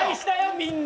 みんな。